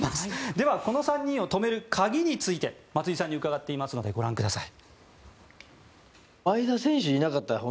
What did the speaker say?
ではこの３人を止める鍵について松井さんに伺っていますのでご覧ください。